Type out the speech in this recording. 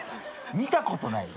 見たことないよ。